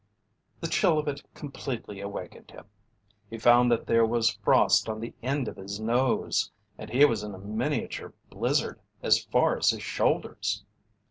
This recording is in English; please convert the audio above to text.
The chill of it completely awakened him. He found that there was frost on the end of his nose and he was in a miniature blizzard as far as his shoulders.